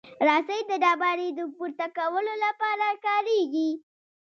رسۍ د ډبرې د پورته کولو لپاره کارېږي.